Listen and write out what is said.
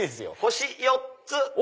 星４つ！